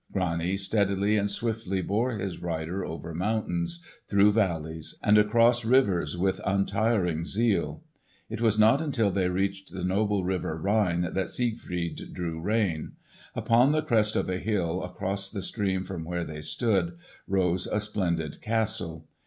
Grani steadily and swiftly bore his rider over mountains, through valleys, and across rivers with untiring zeal. It was not until they reached the noble river Rhine that Siegfried drew rein. Upon the crest of a hill, across the stream from where they stood, rose a splendid castle.